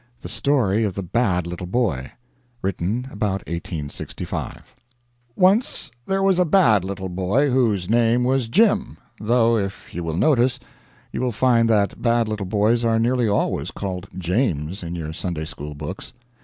THE STORY OF THE BAD LITTLE BOY [Written about 1865] Once there was a bad little boy whose name was Jim though, if you will notice, you will find that bad little boys are nearly always called James in your Sunday school books.